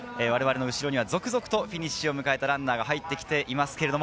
我々の後ろには続々とフィニッシュを迎えたランナーが入ってきています。